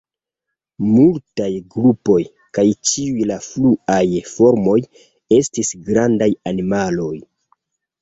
Multaj grupoj, kaj ĉiuj la fruaj formoj, estis grandaj animaloj.